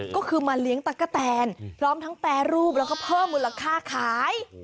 ก็คือมาเลี้ยงตะกะแตนพร้อมทั้งแปรรูปแล้วก็เพิ่มมูลค่าขาย